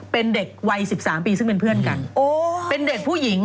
เป็นเด็กวัย๑๓ปีซึ่งเป็นเพื่อนกันเป็นเด็กผู้หญิง